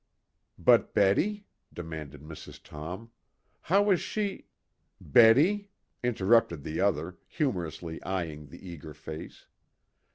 "But Betty?" demanded Mrs. Tom. "How is she " "Betty?" interrupted the other, humorously eyeing the eager face.